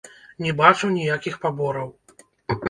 Не бачу ніякіх пабораў.